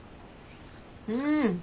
うん！